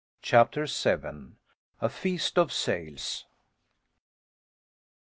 CHAPTER VII. A FEAST OF SAILS.